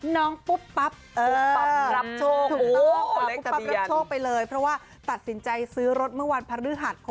น้องปุ๊บปั๊บรับโชคตัดสินใจซื้อรถเมื่อวันภรรยาษฎร์